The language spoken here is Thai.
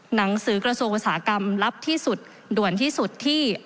หนังสือกระทรวงอุตสาหกรรมลับที่สุดด่วนที่สุดที่